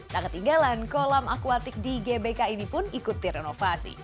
tak ketinggalan kolam akuatik di gbk ini pun ikut direnovasi